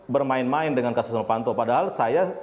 bermain main dengan kasus novanto padahal saya